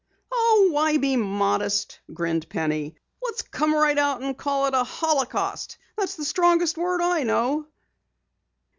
"Oh, why be modest?" grinned Penny. "Let's come right out and call it a holocaust! That's the strongest word I know."